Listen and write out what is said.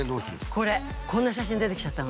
これこんな写真出てきちゃった